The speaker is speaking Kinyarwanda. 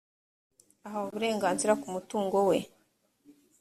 ahawe uburenganzira ku mutungo we